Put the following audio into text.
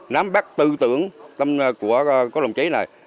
nám bác tư tưởng tâm của các đồng chí này